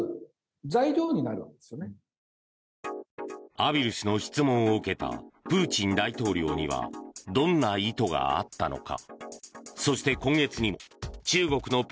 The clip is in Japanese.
畔蒜氏の質問を受けたプーチン大統領にはどんな意図があったのか。